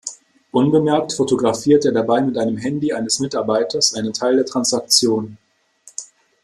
Unbemerkt fotografiert er dabei mit einem Handy eines Mitarbeiters einen Teil der Transaktion.